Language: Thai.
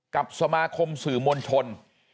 กับสมาคมสื่อมวลชน